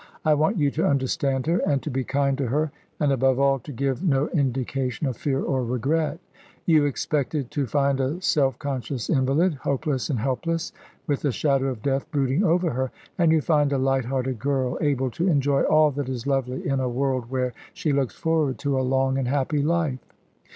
I want you to understand her, and to be kind to her, and above all to give no indication of fear or regret. You expected to find a self conscious invalid, hopeless and helpless, with the shadow of death brooding over her and you find a light hearted girl, able to enjoy all that is lovely in a world where she looks forward to a long and happy life.